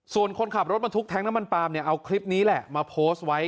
ส่วนคนขับรถมันทุกแทงก์น้ำมันปลามเอาคลิปนี้แหละมาโพสต์ไว้